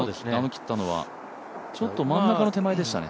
ちょっと真ん中の手前でしたね。